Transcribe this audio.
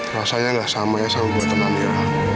rasanya nggak sama ya sama buatan amira